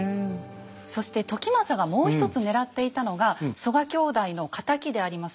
そして時政がもう一つ狙っていたのが曽我兄弟の敵であります